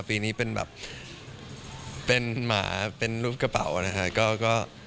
ปีนี้เป็นแบบเป็นหมาเป็นรูปกระเป๋านะครับ